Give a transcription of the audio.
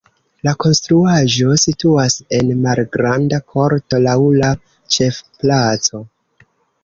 La konstruaĵo situas en malgranda korto laŭ la ĉefplaco.